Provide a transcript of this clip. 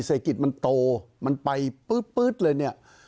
เศรษฐกิจมันโตมันไปปื๊ดเลยเนี่ย